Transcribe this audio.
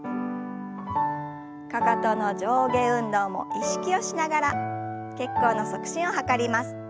かかとの上下運動も意識をしながら血行の促進を図ります。